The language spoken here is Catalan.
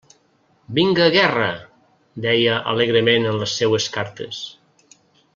«Vinga guerra!», deia alegrement en les seues cartes.